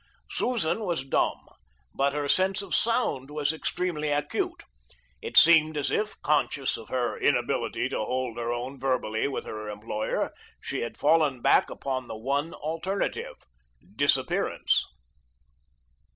Susan was dumb; but her sense of sound was extremely acute. It seemed as if, conscious of her inability to hold her own verbally with her employer, she had fallen back upon the one alternative, disappearance.